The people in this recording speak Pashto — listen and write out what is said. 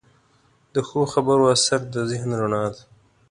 د ښو خبرو اثر د ذهن رڼا ده.